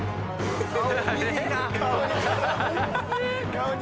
顔に。